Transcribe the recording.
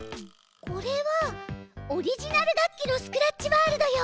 これはオリジナル楽器のスクラッチワールドよ。